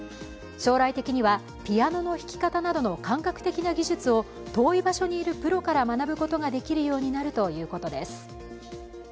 将来的には、ピアノの弾き方などの感覚的な技術を遠い場所にいるプロから学ぶことができるようになるということです。